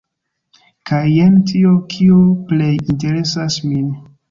Kaj jen tio kio plej interesas min!